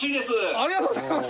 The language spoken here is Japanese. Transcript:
ありがとうございます。